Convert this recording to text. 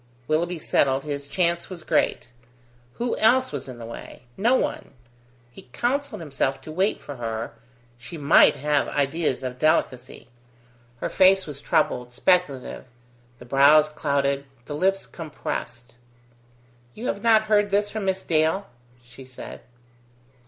Willoughby settled, his chance was great. Who else was in the way? No one. He counselled himself to wait for her; she might have ideas of delicacy. Her face was troubled, speculative; the brows clouded, the lips compressed. "You have not heard this from Miss Dale?" she said.